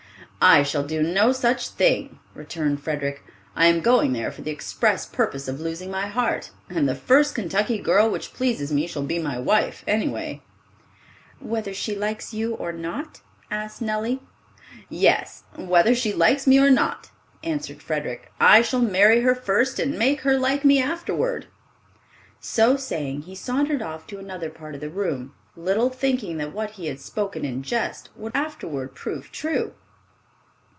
"I shall do no such thing," returned Frederic. "I am going there for the express purpose of losing my heart, and the first Kentucky girl which pleases me shall be my wife, any way." "Whether she likes you or not?" asked Nellie. "Yes, whether she likes me or not," answered Frederic, "I shall marry her first, and make her like me afterward." So saying he sauntered off to another part of the room, little thinking that what he had spoken in jest would afterward prove true.